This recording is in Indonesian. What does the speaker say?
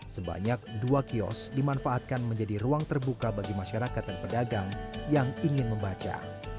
sebanyak dua kios dimanfaatkan menjadi ruang terbuka bagi masyarakat dan pedagang yang ingin membaca